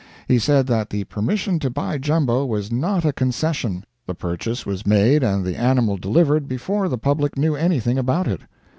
He said that the permission to buy Jumbo was not a concession; the purchase was made and the animal delivered before the public knew anything about it.